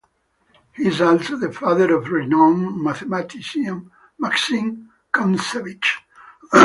He is also the father of renown mathematician Maxim Kontsevich.